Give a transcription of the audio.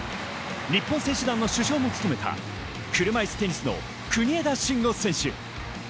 日本選手団の主将も務めた車いすテニスの国枝慎吾選手。